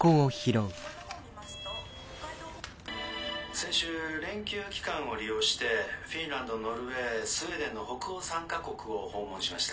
「先週連休期間を利用してフィンランドノルウェースウェーデンの北欧３か国を訪問しました。